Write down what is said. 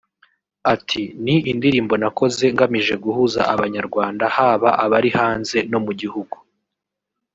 Ati “Ni indirimbo nakoze ngamije guhuza Abanyarwanda haba abari hanze no mu gihugu